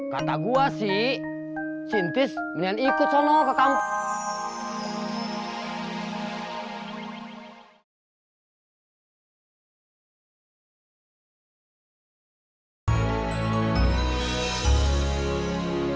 kata gue sih sintis mendingan ikut sama ke kampung